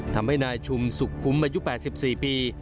ทำให้นายชุมสุขคุ้มอายุ๘๔ปี